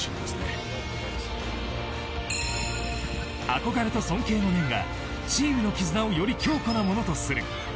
憧れと尊敬の念がチームの絆をより強固なものとする。